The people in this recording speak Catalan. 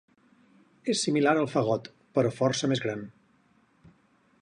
És similar al fagot, però força més gran.